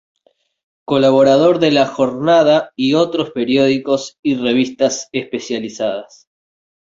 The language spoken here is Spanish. Colaborador de La Jornada y otros periódicos y revistas especializadas.